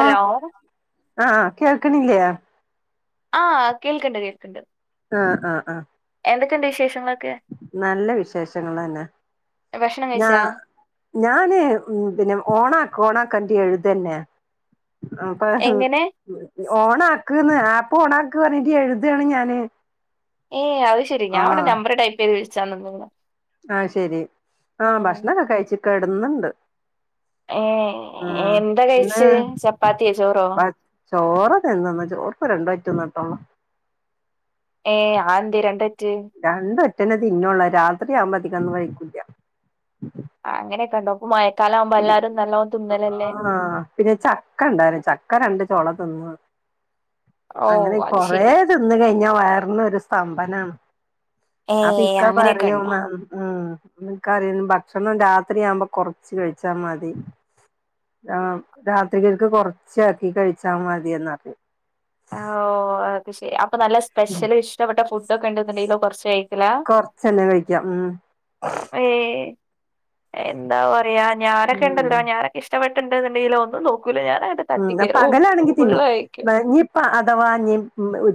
Hello ആഹ് കേക്കണില്ല്യ ആഹ് കേൾക്കണ്ട് കേക്കണ്ട് ആഹ് -ആഹ് -ആഹ് എന്തൊക്കെയുണ്ട് വിശേഷങ്ങൾ നല്ല വിശേഷങ്ങളന്നെ ഭക്ഷണം ഞാ- കഴിച്ചാ ഞാനേ ഉം പിന്നെ ഓണ ഓണാക്കന്റെ എഴുതന്നെ അപ്പൊ ഉം എങ്ങനെ ഓണാക്ക്ന്ന് ആപ്പോ ഓണാക്ക് പറഞ്ഞ് ട്ട് എഴുതയാണ് ഞാന് ഏയ് അത് ശെരി ആ ഞാൻ ഇവിടെ നമ്പർ ടൈപ്പ് ചെയ്ത് വിളിച്ചാന്ന് പോവാ ആഹ് ശെരി ആഹ് ഭക്ഷണ് ഒക്കെ കഴിച്ച് കെടന്ന്ണ്ട് ഏഹ് എ എന്താ കഴിച്ച് ചപ്പാത്തിയൊ ചോറോ ചോറ് തിന്ന്ന്ന് ചോറ് ഇപ്പ രണ്ട വറ്റ് തിന്നിട്ടോള്ളു ഏയ് ആഇന്ത് രണ്ടറ്റ് രണ്ടറ്റന്നെ തിന്നുള്ളു രാത്രി ആവുമ്പോത്തേക്ക് അതിക്കൊന്നും കയിക്കുല്ല ആഹ് അങ്ങനെക്കെയുണ്ടോ ഇപ്പ മയക്കാലം ആവുമ്പോ എല്ലാരും നല്ലോ തിന്നലല്ലെ ആ പിന്നെ ചക്ക ഇണ്ടാര് ചക്ക രണ്ട് ചൊള തിന്ന് ഓഹ് അങ്ങനെ അത് കൊറെ ശെരി തിന്ന് കയിഞ്ഞാ വയറിനൊരു സ്തംഭനാണ് അപ്പൊ ഏഹ് ഇക്ക അങ്ങനെയൊക്കെ ഉണ്ടോ പറയും അഹ് ഉം നിക്കറയും ഭക്ഷണം രാത്രിയാവുമ്പോ കൊറ - ച്ച് കയിച്ച മതി ആഹ് രാത്രിക്കൊക്കെ കൊറച്ചാക്കി കയിച്ചാ മതിയെന്ന് പറയും ആഹ് -ഓഹ് -അഹ് അത് ശരി അപ്പൊ നല്ല സ്പെഷ്യല് ഇഷ്ടപ്പെട്ട ഫുഡ് ഒക്കെ ഉണ്ടെന്നുണ്ടെങ്കിലോ കൊറച്ച് കയി- കൊറച്ചന്നെ കഴിക്കാം ഉം ഏഹ് എന്താ പറയാ ഉം ഞാനൊക്കെണ്ടല്ലോ ഞാനൊക്കെ ഇഷ്ടപ്പെട്ടണ്ട് എന്ന് ഇണ്ടെങ്കിലോ ഒന്നും നോക്കൂല ഞാന- ഉം പകലാണെങ്കി തിന്നും വെ നീ അ അഥവാ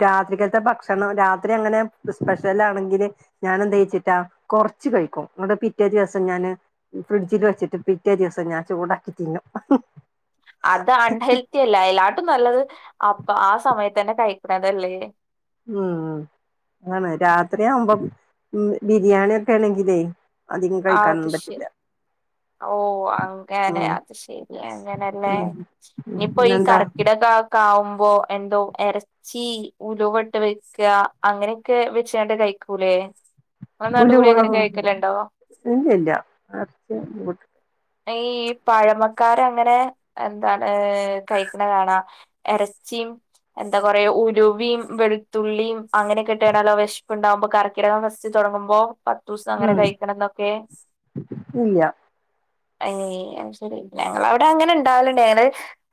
രാത്രിക്കാലത്തെ ഭക്ഷണം രാത്രി അങ്ങനെ സ്പെഷ്യൽ ആണെങ്കിൽ ഞാാന എന്താ വച്ചിട്ടാ കുറച്ച കഴിക്കും ങ്ങട്ട് പിറ്റേ ദിവസം ഞാന് ഫ്രിഡ്ജിൽ വെച്ചിട്ട് പിറ്റേ ദിവസം ഞാൻ ചൂടാക്കി തിന്നും അത് അൺഹെൽത്തി അല്ല അയ്ലാട്ടും നല്ലത് അപ്പൊ ആ സമയത്ത് തന്നെ കഴിക്കണതല്ലേ ഉം അതാണ് രാത്രി ആവുമ്പോ ബിരിയാണി ഒക്കെ ആണെങ്കിലേ അധികം കഴിക്കാനൊന്നും പറ്റില്ല ഓഹ് അങ്ങനെ ഉം അത് ശെരി അങ്ങനെല്ലേ ഉം ഇനിയിപ്പോ ഈ പിന്നെന്താ കറക്കിടക്കെ ആവുമ്പോ എന്തോ ചീ ഉലുവ വട്ട് വെക്ക അങ്ങനെയൊക്കെ വെച്ചണ്ട് കഴിക്കൂലേ ഇങ്ങളെ നാട്ട് ഉലുവ കൂടി അങ്ങനെ കഴിക്കലുണ്ടോ ഇല്ലല്ലാ ഇറച്ചി ഈ പഴമക്കാരങ്ങനെ എന്താണ് കഴിക്കണ കാണാ ഇറച്ചിയും എന്താ പറയാ ഉലുവയും വെളുത്തുള്ളിയും അങ്ങനൊക്കെയിട്ടാണല്ലോ വിശപ്പ് ഉണ്ടാകുമ്പോ കറക് കർക്കിടകം ഫസ്റ്റ് തുടങ്ങുമ്പോ പത്ത് ദിവസം അങ്ങനെ കഴിക്കണം എന്നൊക്കെ ഇല്ല്യ അത് ശെരി ഞങ്ങളെ അവിടെ അങ്ങനെ ഉണ്ടാവലുണ്ട് ഞങ്ങള്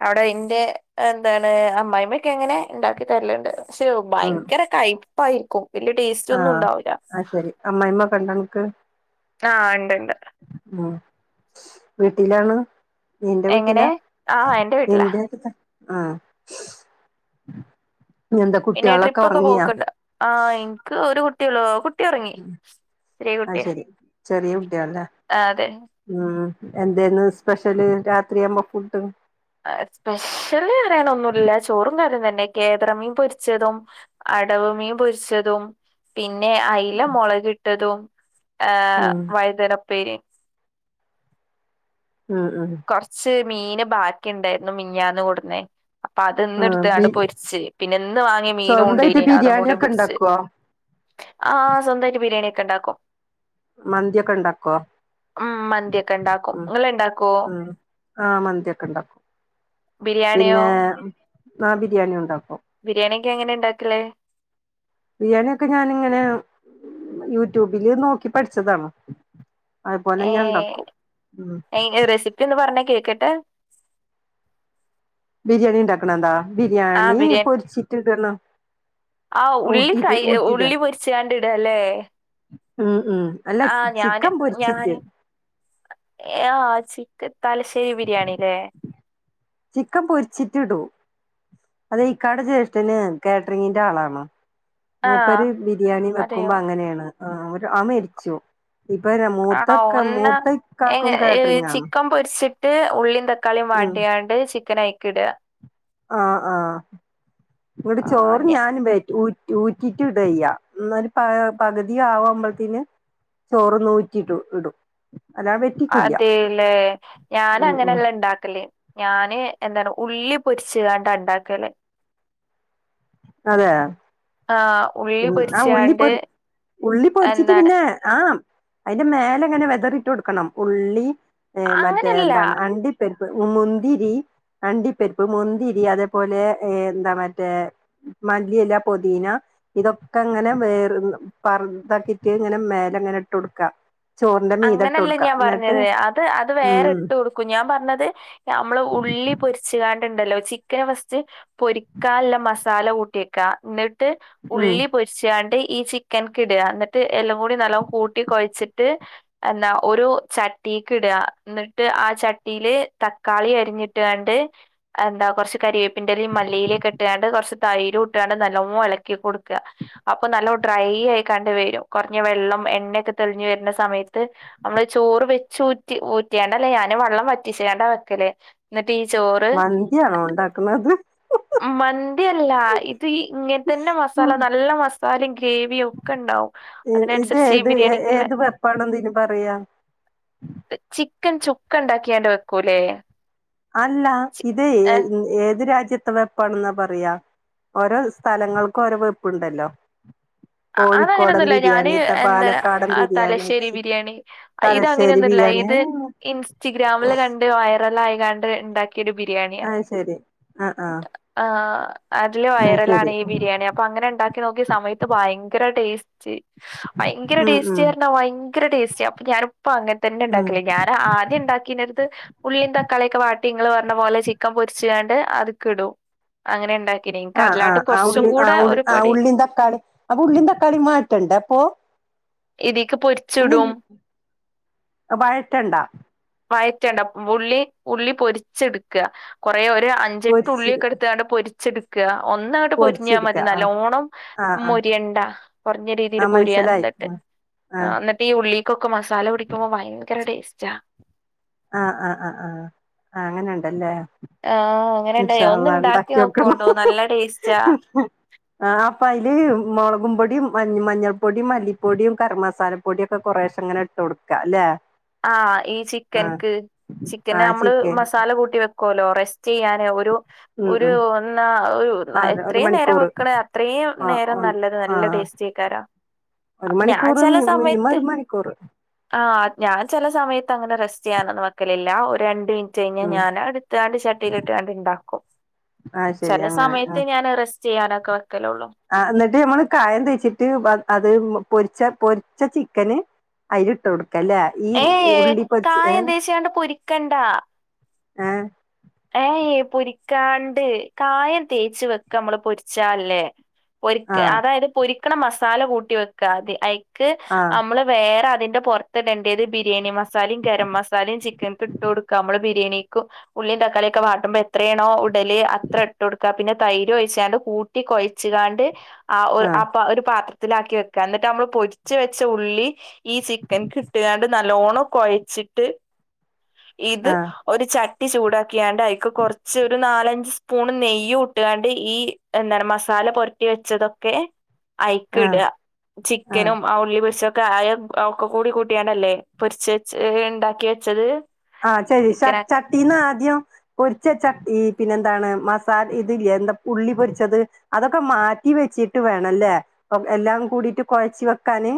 അവിടെ അന്റെ എന്താണ് അമ്മായിമ്മ ഒക്കെ അങ്ങനെ ഉണ്ടാക്കി തരലുണ്ട് പക്ഷെ ഉം ഭയങ്കര കയ്പായിരിക്കും ആഹ് അത് ശെരി അമ്മായിമ്മ ഒക്കെ ഉണ്ടോ നിനക്ക് ആഹ് ഒണ്ടണ്ട് ഉം വീട്ടിലാണ് നിന്റെ എങ്ങനെ വീട്ടിലാ ആഹ് എന്റെ വീട്ടിലാ നിന്റെ ആഹ് ഇന്ന് എന്താ പിന്നെ കുട്ടികളൊക്കെ ട്രിപ്പൊക്കെ ഉറങ്ങിയാ പോക്ക്ണ്ട് ആഹ് എനിക്ക് ഒരു കുട്ടിയേള്ളൂ കുട്ടി ഉറങ്ങി അത് ശ്രീകുട്ടിയാ ശരി ചെറിയ കുട്ടികളല്ലേ ആഹ് അതെ ഉം എന്തേന്ന് സ്പെഷ്യല് രാത്രിയാവുമ്പോ ഫുഡ്ഡും സ്പെഷ്യല് പറിയാനൊന്നുമില്ല ചോറും കറിയും തന്നെ കേദറമീൻ പൊരിച്ചതും അടവ മീൻ പൊരിച്ചതും പിന്നെ അയില മുളകിട്ടതും ഏഹ് ഉം വഴുതനുപ്പേരിയും ഉം ഉം കൊറച്ച് മീന് ബാക്കി ഉണ്ടായിരുന്നു മിനിഞ്ഞാന്ന് കൊണ്ടുന്നേ അപ്പൊ അതിന്ന് ആഹ് ബി എടുത്തുകാണ്ട് പൊരിച്ച് പിന്നെ ഇന്ന് വാങ്ങിയ മീനും സ്വന്തായിട്ട് ഉണ്ടെയിനി അതും ബിരിയാണി കൂടി ഒക്കെ പൊരിച്ച് ഉണ്ടാക്കുവോ ആഹ് ആഹ് സ്വന്തമായിട്ട് ബിരിയാണി ഒക്കെ ഉണ്ടാക്കും മന്തിയൊക്കെ ഉണ്ടാക്കുവോ ഉം മന്തിയൊക്കെ ഉണ്ടാക്കും ഇങ്ങള് ഇണ്ടാക്കുവോ ആഹ് മന്തിയൊക്കെ ഉണ്ടാക്കും ബിരിയാണിയോ പിന്നെ ആഹ് ബിരിയാണി ഉണ്ടാക്കും ബിരിയാണി ഒക്കെ എങ്ങനെ ഉണ്ടാക്കല് ബിരിയാണി ഒക്കെ ഞാനിങ്ങനെ യൂട്യൂബില് നോക്കി പഠിച്ചതാണ് അതുപോലെ ഞാൻ ഏഹ് ഉണ്ടാക്കും ഉം എങ്കി റെസിപ്പി ഒന്ന് പറഞ്ഞെ കേക്കട്ടെ ബിരിയാണി ഉണ്ടാക്കണതോ ആ ബിരിയാണി പൊരിച്ചിട്ട് ഇതിടണം ആഹ് ഉള്ളി ഫ്രൈ ഉള്ളി പൊരിച്ചാണ്ട് ഇടുവല്ലേ ഉം ഉം അല്ല ചിക്കൻ പൊരിച്ചിട്ട് ആഹ് ചിക്കൻ തലശ്ശേരി ബിരിയാണി അല്ലേ ചിക്കൻ പൊരിച്ചിട്ടിടുവൊ അതെ ഇക്കാടെ ജ്യേഷ്ഠന് കേറ്ററിങ്ങിന്റെ ആളാണ് ആ മൂപ്പര് ബിരിയാണി അതെയോ വെക്കുമ്പോ അങ്ങനെയാണ് ആഹ് ഒരു ആ മരിച്ചു ഇപ്പൊന്ന ആണോ മൂത്തക്ക ഒന്ന് എങ്ങ മൂത്തക്കാക്കും കേറ്ററിങ്ങ് ആണ് ചിക്കൻ പൊരിച്ചിട്ട് ഉള്ളിയും തക്കാളിയും വാട്ടിയാണ്ട് ചിക്കൻ അയിക്ക് ഇടുക ആഹ് ആഹ് ഇവടെ ആ ചോറ് ഞ ഞാനും ബേറ്റു ഊ ഊറ്റീട്ട് ഇടുവേ ചെയ്യാം എന്ന ഒരു പ പകുതി ആവുമ്പഴത്തേന് ചോറ് ഊറ്റീട്ട് ഇടും അതാ അതേലെ ഉം ഞാനങ്ങനല്ല ഉണ്ടാക്കല് ഞാന് എന്താണ് ഉള്ളി പൊരിച്ചങ്ങാണ്ട് ഉണ്ടാക്കല് അതെയോ ആഹ് ഉ ഉം ആഹ് ഉള്ളി പൊര് ഉള്ളി പൊരിച്ചിട്ട് എന്താണ് പിന്നെ ആഹ് അയ്ന്റെ മേലെങ്ങനെ വെതറിട്ടൊടുക്കണം ഉള്ളി ഏഹ് മറ്റേ അങ്ങനല്ല. എന്താണ് അണ്ടി പരിപ്പ് മുന്തിരി അണ്ടിപ്പരിപ്പ് മുന്തിരി അതേപോലെ ഏ എന്താ മറ്റേ മല്ലിയെല പൊതീന ഇതൊക്കെങ്ങനെ വേർ പർതാക്കീട്ട് ങ്ങനെ മേലങ്ങനെ ഇട്ടൊട്ക്കാ അങ്ങനെല്ല ഞാൻ പർഞ്ഞത് അത് അത് ഉം വേറെ ഇട്ട് കൊടുക്കും ഞാൻ പർഞ്ഞത് അമ്മള് ഉള്ളി പൊരിച്ച്ങ്ങാണ്ട്ണ്ടല്ലോ ചിക്കന് ഫസ്റ്റ് പൊരിക്കാല്ല മസാല കൂട്ട്യെക്കാ ന്നെ ട്ട് ഉം ഉള്ളി പൊര് ച്ചാണ്ട് ഈ ചിക്കൻക്കിടാ. ന്ന്ട്ട് എല്ലും കൂടി നല്ലോം കൂട്ടി കൊയ്ച്ച്ട്ട് എന്നാ ഒരു ചട്ടീക്ക്ടാ, ന്ന്ട്ട് ആ ചട്ടീല് തക്കാളി അരിഞ്ഞിട്ടാണ്ട് എന്താ കൊർച്ച് കരിവേപ്പിന്റെലിം മല്ലിയിലെക്കെ ട്ട്ക്കാണ്ട് കൊർച്ച് തൈരുംട്ട്ക്കാണ്ട് നല്ലോം എളക്കി കൊടുക്കാ അപ്പൊ നല്ലോം ഡ്രൈ ആയിക്കാണ്ട് വെരും. കൊർഞ്ഞ വെള്ളം എണ്ണയൊക്കെ തെള്ഞ്ഞ് വെര്ണ സമയ ത്ത്‌ അമ്മൾ ചോറ് വെച്ചൂറ്റി ഊറ്റിയാണ്ടല്ല ഞാന് വള്ളം വറ്റിച്ചാണ്ടാ വെക്കല് ന്നട്ടീ ചോറ് ന്തിയാണോ ഒണ്ടാക്കുന്നത് മന്തിയല്ലാ. ഇത് ഇങ്ങൻതന്നെ മസാല നല്ല മസ് സാലിം ഗ്രേവിം ഒക്കെണ്ടാവും. ഇത് അതിനനുസരിച്ചീ ഏത് ബിരിയാണിക്ക്ള്ളെ ഏത് വെപ്പാണെന്ന് ഇതിന് പറയാ ചിക്കൻ ചുക്കണ്ടാക്ക്യാണ്ട് വെക്കൂല്ലേ അല്ല ഇത് ഏ ഏത് രാജ്യത് ത്തെ വെപ്പാണെന്നാ പറയാ, ഓരോ സ്ഥലങ്ങൾക്കോരോ വെപ്പ്‌ ണ്ടല്ലോ അതങ്ങനെന്നുല്ല ഞാന് എന്താ പാലക്കാടൻ ആ ബിരിയാണി തലശ്ശേരി ബിരിയാണി തലശ്ശേരി ഇതങ്ങനെയൊന്നുല്ല ബിരിയാണി ഇത് ഇൻസ്റ്റിഗ്രാമില് കണ്ട് വൈറലായികാണ്ട് ഇണ്ടാക്കി ക്ക്യൊരു ബിരിയാണ്യാ ആഹ് ശരി ആഹ് ആഹ് ആഹ് അതില് ആഹ് ശരി വൈറലാണീ ബിരിയാണി, അപ്പങ്ങനെ ണ്ടാക്കി നോക്ക്യ സമയത്ത് ഭയങ്കര ടേസ്റ്റ്, ഭയങ്കര ഉം ഉം ടേസ്റ്റ്ർഞ്ഞാ ഭയങ്കര ടേസ്റ്റ് അപ്പൊ ഞാനിപ്പൊ അങ്ങൻ ഉം തന്നെണ്ടാക്കല് ഞാന് ആദ്യം ണ്ടാക്കീണേത് ത് ഉള്ളിം തക്കാള്യൊക്കെവാട്ടി, ഇങ്ങള് പർഞ്ഞ പോലെ ചിക്കൻ പൊരിച്ച്ങ്ങാണ്ട് അത്ക്ക്ടും അങ്ങനെണ്ടാക്കിനി ഇൻക്കതിലാട്ടും കൊർച്ചും കൂട ഒരുപടി ള്ളിം തക്കാളിം അപ്പൊ ഉള്ളിം തക്കാളിം വാട്ടണ്ടേ അപ്പൊ ഇതീക്ക് പൊര് ഉള്ളിം അഹ് വഴറ്റണ്ട വയറ്റണ്ട ഉള്ളി ഉള്ളി പൊര്ച്ച്ട്ക്കാ കൊറേ ഒരു അഞ് പൊരിച്ചിട് ഞ്ചെട്ടുള്ളിയൊക്കെട്ത്താണ്ട് പൊരിച്ച്ടുക്കാ ഒന്നങ്ങട്ട് പൊര്ഞ്ഞാ പൊരിച്ചെടുക്ക മതി ആഹ് നല്ലോണം ആഹ് ആഹ് മൊരിയണ്ടാ കൊർഞ്ഞ രീതീല് ആഹ് പൊര്യാ മനസ്സിലായി ന്ന ട്ട് ആഹ് അഹ് ന്നട്ടീ ഉള്ളിക്കൊക്കെ മസാല പിടിക്കുമ്പോ വയങ്കര ടേസ്റ്റാ ആ ആ ആ ആഹ് ആ അങ്ങനെണ്ടല്ലേ ആഹ് അങ്ങനെണ്ടായി. ഇൻഷാ അള്ളാ ഒന്ന്ണ്ടാക്കി ഇണ്ടാക്കി നോക്കോണ്ടൂ, നല്ല ടേസ്റ്റാ ആഹ് അപ്പയ്ല് മൊളകും പൊടിം മഞ് മഞ്ഞൾ പൊടിം മല്ലിപ്പൊടിം കരം മസാല പൊടിയൊക്കെ കൊറേശെങ്ങനെ ഇട്ടൊട്ക്കാ ല്ലേ ആഹ് ഈ ചിക്കൻക്ക്, ആ ചിക്കന് നമ്മള് ചിക്കൻ മസാല കൂട്ടി വെക്ക് ക്കോലോ റെസ്റ്റൈയ്യാന് ഒരു ഉം ഒരു ഉം ഒന്നാ ഒരു ആ നെ ഒരു എത്രീം നേരം മണിക്കൂർ വെക്കണ് അത്രേം ആ നേരം ഒന്ന് നല്ലത് ആ നല്ല ടേസ്റ്റേ ക്കാരം ഒരു മണിക്കൂറ്.., മിനിമം ഒരു മണിക്കൂറ് ആ ഞാൻ ചെല സമയത്ത് അങ്ങനെ റെസ്റ്റ് ചെയ്യാനൊന്നും വെക്കലില്ല ഒരു രണ്ട് മിനി റ്റ് കഴിഞ്ഞാ ഉം ഞാൻ എടുത്ത് ആ ചട്ടി ലിട്ടാണ്ട് ഉണ്ടാക്കും ആ ശരി ചില അങ്ങനെ ആ സമയത്ത് ഞാൻറെസ് റ്റ് ചെയ്യാനൊക്കെ വെക്കലുള്ളൂ ആ എന്നിട്ട് ഞമ്മള് കായം തേച്ചിട്ട് അത് പൊരിച്ച പൊരിച്ച ചിക്കന് അയിലിട്ട് കൊടുക്കല്ലേ ഈ ഏയ് ഉള്ളി പൊരിച്ച് ഏ കായം തേച്ച്ങ്ങാണ്ട് പൊരിക്കണ്ടാ ഏഹ് ഏയ് പൊരിക്കാണ്ട് കായം തേച്ച് വെക്ക നമ്മള് പൊരിച്ചാല്ലേ പൊരിക്ക ആ അതായത് പൊരിക്ക്ണ മസാല കൂട്ടി വെക്ക അയിക്ക് ആ നമ്മള് വേറെ അതിന്റെ പുറത്ത്ട ണ്ടേത് ബിരിയാണി മസാല മസാലിം ഗരം മസാലയും ചിക്കൻ ഇട്ട് കൊടുക്കാ നമ്മള് ബിരിയാണിക് ഉള്ളീം തക്കാളിമ് ക്കളിയൊക്കെ വാട്ടുമ്പോ എത്രയാണോ ഇടല് അത്ര ഇട്ട് കൊടുക്കാ പിന്നെ തൈര് ഒഴിച്ചാണ്ട് കൂട്ടി കൊഴച്ച്കാണ്ട് ആഹ് ആ ഒരു പാത്രത്തിലാക്കി വെക്ക എന്നിട്ട് നമ്മള് പൊരിച്ച് വെച്ച ഉള്ളി ഈ ചിക്കൻ കിട്ടുകാണ്ട് നല്ലോണം കുഴച്ചിട്ട് ഇത് ആ ഒരു ചട്ടി ചൂടാ ക്കിയാണ്ട് അയിക്ക് കുറച്ച് ഒരു നാലഞ്ച് സ്പൂൺ നെയ്യും ഇട്ടാണ്ട് ഈ എന്ത മസാല പുര ട്ടി വെച്ചതൊക്കെ അയ്ക്ക് ആ ഇട ചിക്കനും ആ ഉള്ളി പൊരിച്ച കായം ഒക്കെ കൂടി കൂട്ടിയാണ്ടല്ലേ പൊരിച്ച് വെച്ച് ഉണ്ടാക്കി വെച്ചത് ആഹ് ശെരി ചിക്കനൊക്കെ ചട്ടീന്ന് ആദ്യം പൊരിച്ച വെച്ച ഈ പിന്നെ എന്താണ് മസാല ഇതില്ലേ എന്താ ഉള്ളി പൊരിച്ചത് അതൊക്കെ മാറ്റി വെച്ചിട്ട് വേണല്ലേ എല്ലാം കൂടിട്ട് കുഴച്ച് വെക്കാന്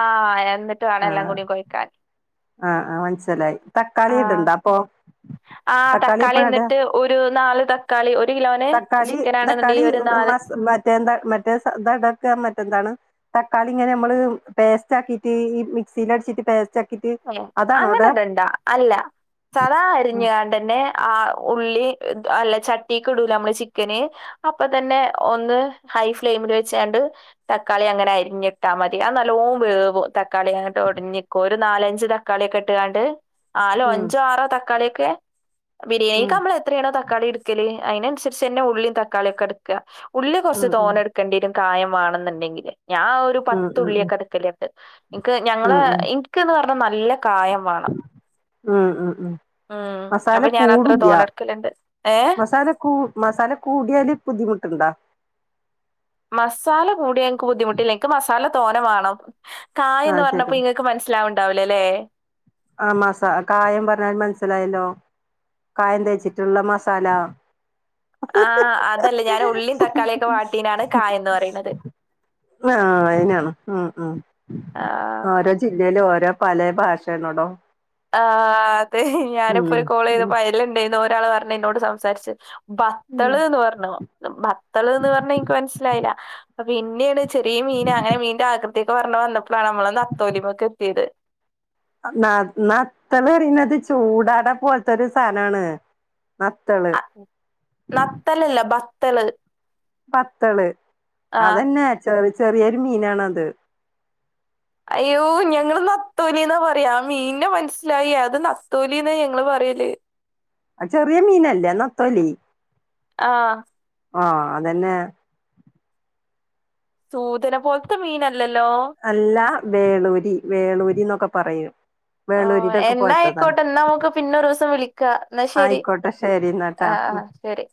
ആഹ് എന്നിട്ട് വേണം എല്ലാം ആഹ് കൂടി കൊഴയ്ക്കാന് ആഹ് ആഹ് മനസ്സിലായി തക്കാളി ഇടണ്ട അപ്പൊ ആ തക്കാളി എപ്പഴാ ഇടാ എന്നിട്ട് ഒരു നാല് തക്കാളി ഒരു കിലോന് ചിക്കനാണ്ന്ന്ണ്ടെങ്കി ഒരു നാല് മറ്റേന്ത മറ്റേ താണ്ടക്ക മറ്റെന്താണ് തക്കാളി ഇങ്ങനെ നമ്മള് പേസ്റ്റാക്കിട്ട് ഈ മിക്സില് അടിച്ചിട്ട് പേസ്റ്റാക്കിട്ട് ഏ അങ്ങനെടണ്ടാ അല്ല സാദാ ഉം അരിഞാണ്ട്ന്നെ ആ ഉള്ളി അല്ല ചട്ടീക്ക് ഇടൂലേ നമ്മള് ചിക്കന് അപ്പൊ തന്നെ ഒന്ന് ഹൈ ഫ്ലെയിമില് വെച്ചാങ്ങാണ്ട് തക്കാളി അങ്ങനെ അരിഞ്ഞിട്ടാ മതി അത് നല്ലോം വേവും തക്കാളി അങ്ങോട്ട് ഒടിഞ്ഞിക്കും ഒരു നാലഞ്ച് തക്കാളിയൊക്കെ ഇട്ടുകാണ്ട് നാലോ അഞ്ചോ ആറോ ത തക്കാളിയൊക്കെ ഉം ബിരിയാണിക്ക് നമ്മള് എത്രയാണോ തക്കാളി എടുക്കല് അതിനനുസരിച്ച്തന്നെ ഉള്ളി തക്കാളിയും ഒക്കെ എടുക്കുക ഉള്ളി കുറച്ച് ഉം തോന്നെ ഉം എടുക്ക ണ്ടി വരും കായം വാണെന്നുണ്ടെങ്കില് ഞാ ന് ഒരു ഉം ഉം ഉം ഉം പത്തുള്ളിയൊക്കെ എടുക്കല് ണ്ട് ഞങ്ങള് ഉം എനിക്ക്ന്ന് പറഞ്ഞാ നല്ല കായം വാണം ഉം ഉം ഉം ഉം മസാല അപ്പൊ ഞാൻ അത്ര തോനെ കൂടുല്ല എടുക്കലുണ്ട് ഏഹ് മസാല കൂ മസാല കൂടിയാല് ബുദ്ധിമുട്ടുണ്ടാ മസാല കൂടിയ എനിക്ക് ബുദ്ധിമുട്ടില്ല എനിക്ക് മസാല തോനെ വാണം കായം എന്ന് ആഹ് പറഞ്ഞപ്പോ ശരി ഇങ്ങക്ക് ക്ക് മനസിലാവുണ്ടാവൂല അല്ലേ ആ മസാ കായം പറഞ്ഞാ മനസ്സിലായല്ലോ കായം തേച്ചിട്ടുള്ള മസാല ആഹ് അതല്ല ഞാൻ ഉള്ളീം തക്കാളിയൊക്കെ വാട്ടീനാണ് കായന്ന് പറയുന്നത് ആഹ് അയിനാണോ അഹ് അഹ് ആഹ് ജില്ലയില് ഓരോ പല ഭാശേണോടോ ആഹ് അതെ ഞാനിപ്പോ ഒരു കോൾ ചെയ്തപ്പൊ അയിലുണ്ടെയ്ന്നഒരാള് പറഞ്ഞ എന്നോട് സംസാരിച്ചു ബത്തള് ന്ന് പറഞ്ഞു ബത്തള് ന്ന് പറഞ്ഞ എനിക്ക് മനസ്സിലായില്ല അ പിന്നെണ് ചെറിയ മീൻ അങ്ങനെ മീന്റെ ആകൃതിയൊക്കെ പറഞ്ഞു വന്നപ്പോഴാണ് നമ്മളന്ന് നത്തോലിമ്മക്ക് എത്തിയത് ന നത്തൾന്നറീണത് ചൂടാട പോലത്തൊ രു സാധനാണ് നത്തൾ അ, നത്തലല്ല ബത്തള് ബത്തള് ആഹ് അതെന്നെ ചെറി ചെറിയൊരു മീനാണത് അയ്യോ ഞങ്ങള് നത്തോലിന്നാ പറയാ മീന നെ മൻസ്സിലായി അത് നത്തോലിന്നാ ഞങ്ങള് പറയല് അ ചെറിയ മീനല്ലേ നത്തോലി ആഹ് ആഹ് അതെന്നെ സൂദനെ പോൽത്ത മീനല്ലല്ലോ അല്ല വേളൂരി വേളൂരി ന്നൊക്ക പറയും ആഹ് വേളൂരിയുടെ ഒക്കെ എന്നാ പോലത്തതാ ആയിക്കോട്ടെ ന്നാ നമക്ക് പിന്നൊരൊസം വിളിക്കാ ന്നാ ശരി ആയിക്കോട്ടെ ശരി എന്നാട്ടാ ആ ഉം ആ ശരി